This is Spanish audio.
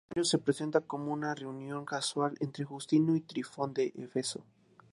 El escenario se presenta como una reunión casual entre Justino y Trifón en Éfeso.